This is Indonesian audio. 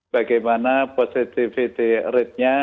bagaimana positivity ratenya